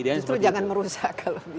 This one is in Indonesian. idealnya itu jangan merusak kalau bisa